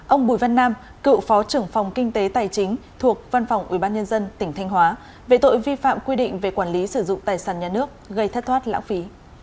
ông bùi văn nam cựu phó trưởng phòng kinh tế tài chính thuộc văn phòng ubnd tỉnh thanh hóa về tội vi phạm quy định về quản lý sử dụng tài sản nhà nước gây thất thoát lãng phí